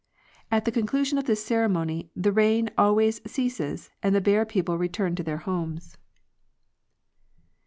'At the conclu sion of this ceremony the rain always ceases, dnd the Bear people return to their homes.